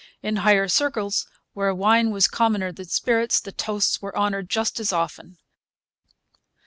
In higher circles, where wine was commoner than spirits, the toasts were honoured just as often.